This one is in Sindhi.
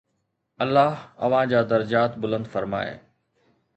الله اوهان جا درجات بلند فرمائي